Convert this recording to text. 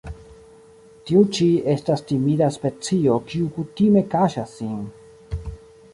Tiu ĉi estas timida specio kiu kutime kaŝas sin.